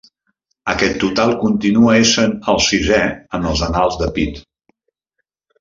Aquest total continua essent el sisè en els annals de Pitt.